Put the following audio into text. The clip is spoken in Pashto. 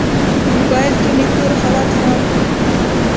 په موبایل کې مې تور حالت فعال شو.